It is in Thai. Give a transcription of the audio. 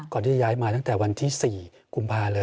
ที่ย้ายมาตั้งแต่วันที่๔กุมภาเลย